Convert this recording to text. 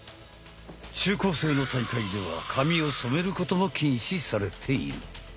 中高生の大会では髪を染めることも禁止されている。